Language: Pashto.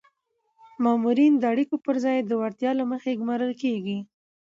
مامورین د اړیکو پر ځای د وړتیا له مخې ګمارل کیږي.